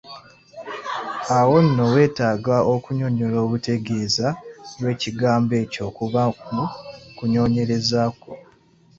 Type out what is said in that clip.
Awo no weetaaga okunnyonnyola obutegeeza bw’ekigambo ekyo okubba mu kunoonyereza kwo.